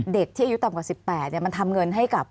เด็กที่อายุต่ำกว่า๑๘มันทำเงินให้กับ